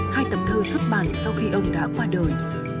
hai tập thơ xuất bản sau khi ông đã qua đời